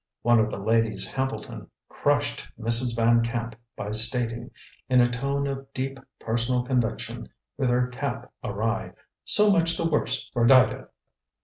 One of the ladies Hambleton crushed Mrs. Van Camp by stating, in a tone of deep personal conviction, with her cap awry, "So much the worse for Dido!"